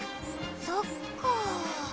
そっか。